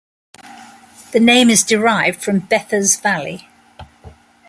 The name is derived from 'Beofa's valley'.